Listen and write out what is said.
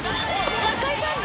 中居さん